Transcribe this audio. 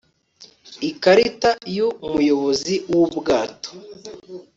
ikarita yu muyobozi wu bwato